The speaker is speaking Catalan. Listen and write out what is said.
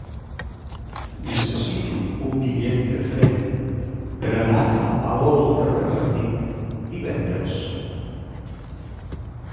Necessito un bitllet de tren per anar a Palol de Revardit divendres.